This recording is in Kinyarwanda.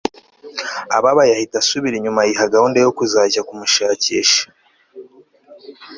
ababaye ahita asubira inyuma yiha guhunda yo kuzajya kumushakisha